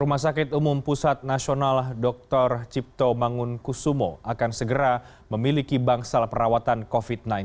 rumah sakit umum pusat nasional dr cipto mangunkusumo akan segera memiliki bangsal perawatan covid sembilan belas